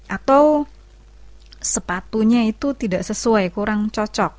atau sepatunya itu tidak sesuai kurang cocok